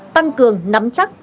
tăng cường nắm chắc